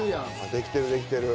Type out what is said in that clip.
できてるできてる。